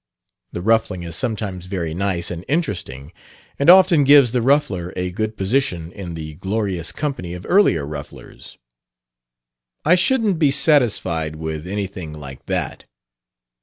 The ruffling is sometimes very nice and interesting and often gives the ruffler a good position in the glorious company of earlier rufflers " "I shouldn't be satisfied with anything like that.